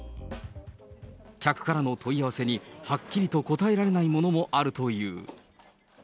客からの問い合わせに、はっきりと答えられないものもあるという。